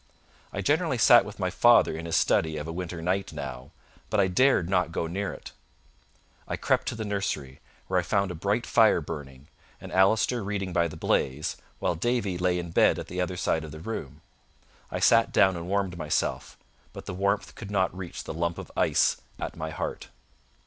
I generally sat with my father in his study of a winter night now, but I dared not go near it. I crept to the nursery, where I found a bright fire burning, and Allister reading by the blaze, while Davie lay in bed at the other side of the room. I sat down and warmed myself, but the warmth could not reach the lump of ice at my heart.